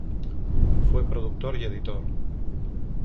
Fue productor y editor.